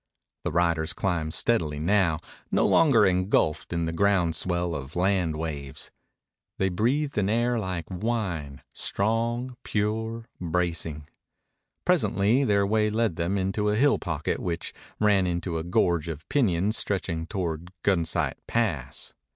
The riders climbed steadily now, no longer engulfed in the ground swell of land waves. They breathed an air like wine, strong, pure, bracing. Presently their way led them into a hill pocket, which ran into a gorge of piñons stretching toward Gunsight Pass.